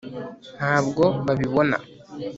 ntabwo babibona